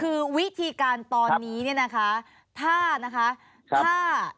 คือวิธีการตอนนี้ถ้าถ้าธนาศิธาสักครั้ง